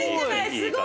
すごい！